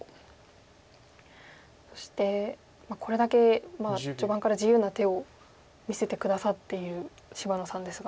そしてこれだけ序盤から自由な手を見せて下さっている芝野さんですが。